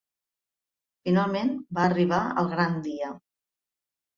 Finalment, va arribar el gran dia.